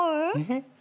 えっ？